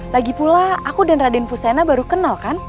lagipula aku dan raden fusena baru kenal kan